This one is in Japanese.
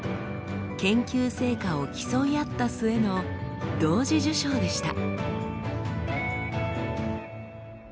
研究成果を競い合った末の同時受賞でした。